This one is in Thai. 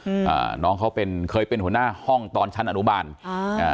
อืมอ่าน้องเขาเป็นเคยเป็นหัวหน้าห้องตอนชั้นอนุบาลอ่าอ่า